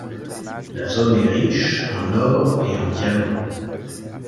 La zone est riche en or et en diamants.